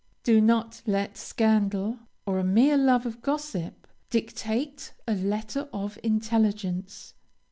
Do not let scandal or a mere love of gossip dictate a letter of intelligence.